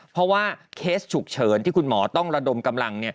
เพราะว่าเคสฉุกเฉินที่คุณหมอต้องระดมกำลัง